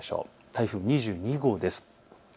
台風２２号です。